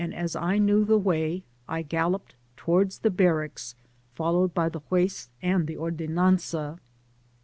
241 as I knew the way, I galloped towards the barracks followed by the Juez and the Ordenanza.